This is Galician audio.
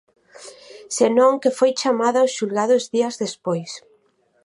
Senón que foi chamada aos xulgados días despois.